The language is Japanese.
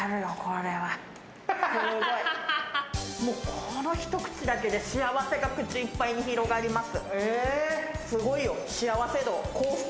このひと口だけで幸せが口いっぱいに広がります。